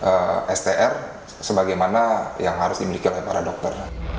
jadi kita harus mencari jelasin dari str bagaimana yang harus dimiliki oleh para dokter